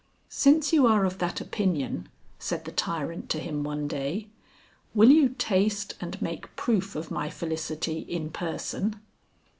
"Since you are of that opinion," said the tyrant to him one day, "will you taste and make proof of my felicity in person?"